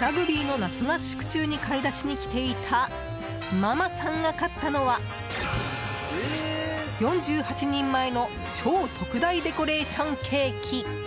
ラグビーの夏合宿中に買い出しに来ていたママさんが買ったのは４８人前の超特大デコレーションケーキ。